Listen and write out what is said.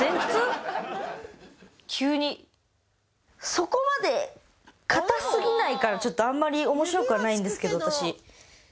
そこまで硬すぎないからちょっとあんまり面白くはないんですけど私。